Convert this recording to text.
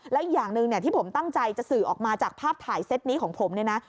และอีกอย่างหนึ่งที่ผมตั้งใจจะสื่อออกมาจากภาพถ่ายเซตนี้ของผมเนี่ยนะ